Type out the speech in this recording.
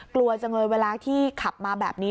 กลัวจังเลยเวลาที่ขับมาแบบนี้